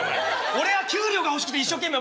俺は給料が欲しくて一生懸命。